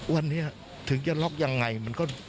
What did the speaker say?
วันนี้ถึงจะล็อกยังไงมันก็